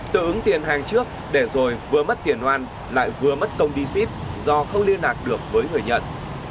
tự ứng tiền hàng trước để rồi vừa mất tiền oan lại vừa mất công đi ship do không liên lạc được với người nhận